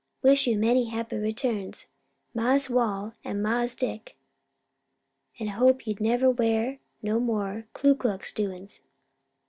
Wish you many happy returns, Mars Wal and Mars Dick, an' hope you'll neber wear no mo' Ku Klux doins."